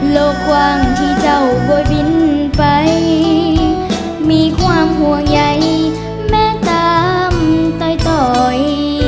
โลกกว้างที่เจ้าบ่บินไปมีความห่วงใยแม้ตามต่อย